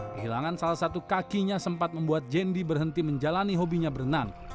kehilangan salah satu kakinya sempat membuat jendi berhenti menjalani hobinya berenang